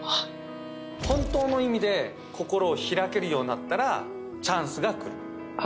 本当の意味で心を開けるようになったらチャンスがくる。